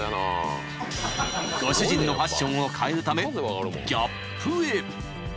［ご主人のファッションを変えるためＧａｐへ］